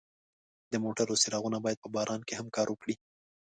د موټرو څراغونه باید په باران کې هم کار وکړي.